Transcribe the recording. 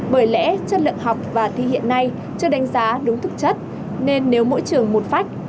bởi lẽ chất lượng học và thi hiện nay chưa đánh giá đúng thức chất